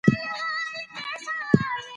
د ټولنپوهنې بنسټ چا کيښود؟